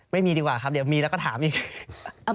ดีกว่าครับเดี๋ยวมีแล้วก็ถามอีก